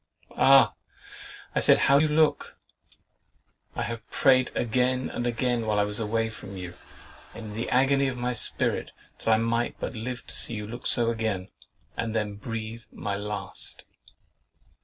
"Ah!" I said, "how you look! I have prayed again and again while I was away from you, in the agony of my spirit, that I might but live to see you look so again, and then breathe my last!"